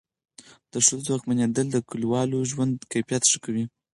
د ښځو ځواکمنېدل د کلیوال ژوند کیفیت ښه کوي.